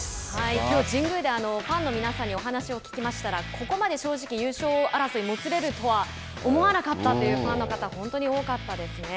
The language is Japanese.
きょうファンの皆さんにお話を聞きましたらここまで正直優勝争いがもつれるとは思わなかったというファンの方が本当に多かったですね。